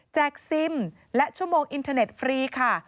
ซิมและชั่วโมงอินเทอร์เน็ตฟรีค่ะ